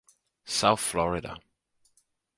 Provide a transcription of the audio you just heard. South Florida.